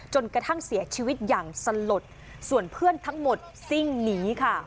จนกระทั่งเสียชีวิตอย่างสลดส่วนเพื่อนทั้งหมดซิ่งหนีค่ะ